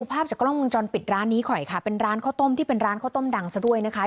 ภาพจากกล้องวงจรปิดร้านนี้หน่อยค่ะเป็นร้านข้าวต้มที่เป็นร้านข้าวต้มดังซะด้วยนะคะ